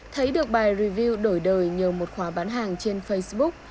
thấy được bài review đổi đời nhờ một khóa bán hàng trên facebook